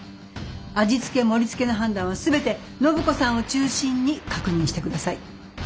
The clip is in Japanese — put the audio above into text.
味付け盛りつけの判断は全て暢子さんを中心に確認してください。